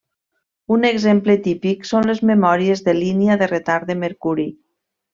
Un exemple típic són les memòries de línia de retard de mercuri.